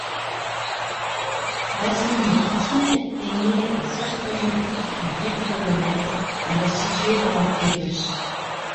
Basile Nikitine est né à Sostonovit, une ville polonaise, alors située dans l’Empire russe.